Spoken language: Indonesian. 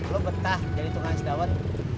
lo betah jadi tunggak isdawat